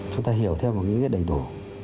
chúng ta hiểu theo một nghĩa đầy đủ